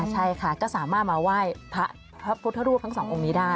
ใช่ค่ะก็สามารถมาไหว้พระพุทธรูปทั้งสององค์นี้ได้